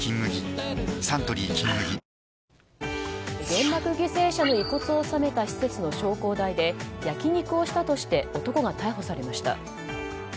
原爆犠牲者の遺骨を納めた施設の焼香台で焼き肉をしたとして男が逮捕されました。